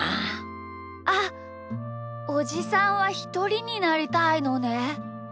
あっおじさんはひとりになりたいのね。